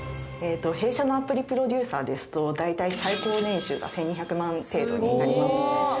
弊社のアプリプロデューサーですと大体最高年収が１２００万程度になります。